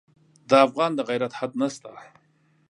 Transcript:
د افغان د غیرت حد نه شته.